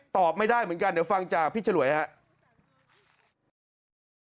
ตอบไม่ได้เหมือนกันเดี๋ยวฟังจากพี่ฉลวยครับ